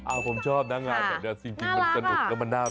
อ้าวผมชอบนะงานนี้สิ่งจริงมันสนุกแล้วมันน่ารัก